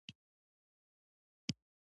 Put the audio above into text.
صبر او تحمل واده پیاوړی کوي.